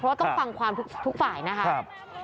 เพราะว่าต้องฟังความทุกฝ่ายนะครับ